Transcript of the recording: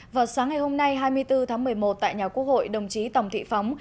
vào sáng ngày hôm nay hai mươi bốn tháng một mươi một tại nhà quốc hội đồng chí tòng thị phóng